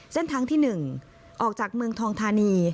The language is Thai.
เส้นทางที่๑ออกจากเมืองทองธานี